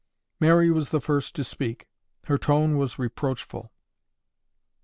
Mary was the first to speak. Her tone was reproachful.